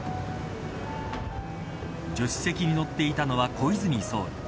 助手席に乗っていたのは小泉総理。